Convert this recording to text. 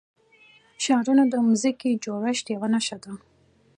ښارونه د ځمکې د جوړښت یوه نښه ده.